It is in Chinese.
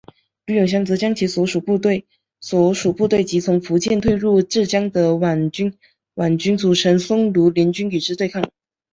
卢永祥则将其所属部队及从福建退入浙江的皖军组成淞沪联军与之对抗。